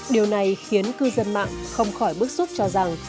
điều này khiến cư dân mạng không khỏi bức xúc cho rằng